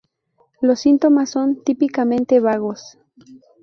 Los síntomas son típicamente vagos.